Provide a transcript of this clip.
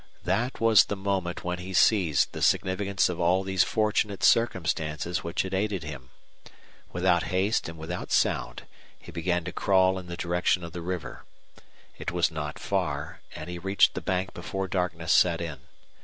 That was the moment when he seized the significance of all these fortunate circumstances which had aided him. Without haste and without sound he began to crawl in the direction of the river. It was not far, and he reached the bank before darkness set in.